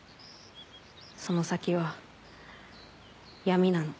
その先は闇なの。